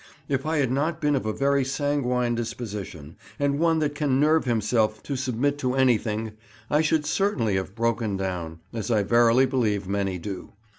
If I had not been of a very sanguine disposition, and one that can nerve himself to submit to anything, I should certainly have broken down, as I verily believe many do.